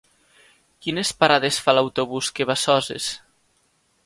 Quines parades fa l'autobús que va a Soses?